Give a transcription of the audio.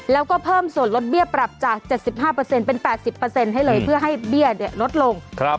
แล้วก็เพิ่มส่วนลดเบี้ยปรับจาก๗๕เป็น๘๐ให้เลยเพื่อให้เบี้ยลดลง